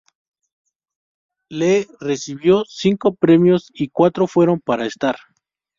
Lee recibió cinco premios y cuatro fueron para Starr.